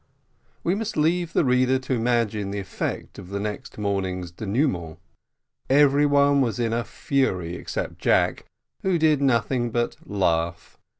We must leave the reader to imagine the effect of the next morning's denouement. Every one was in a fury except Jack, who did nothing but laugh.